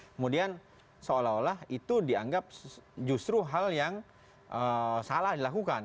kemudian seolah olah itu dianggap justru hal yang salah dilakukan